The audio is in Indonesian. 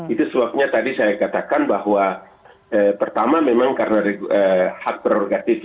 itu suapnya tadi saya katakan bahwa pertama memang karena hak prerogatif yang dibutuhkan